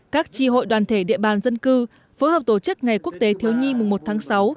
các tri hội đoàn thể địa bàn dân cư phối hợp tổ chức ngày quốc tế thiếu nhi mùng một tháng sáu